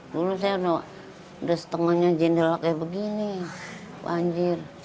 dulu saya sudah setengahnya jendela kayak begini banjir